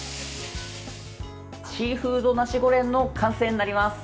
シーフードナシゴレンの完成になります。